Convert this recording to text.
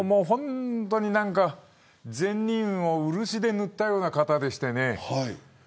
本当に善人を漆で塗ったような方でしてね。